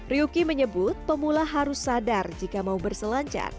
ryuki menyebut pemula harus sadar jika mau berselancar